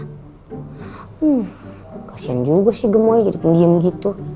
hmm kasihan juga sih gemoy jadi pendiem gitu